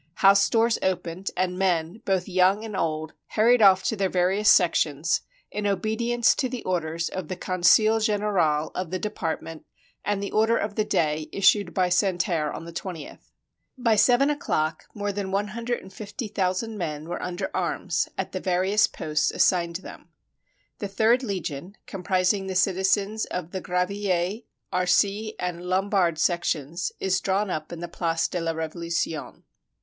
House doors opened, and men, both young and old, hurried ofif to their various sections in obedience to the orders of the Conseil General of the department and the Order of the Day issued by Santerre on the 20th. By seven o'clock more than 150,000 men were under arms at the various posts assigned them. The third legion, comprising the citizens of the Gravilliers, Arcis, and Lombard sections, is drawn up in the Place de la Revolution.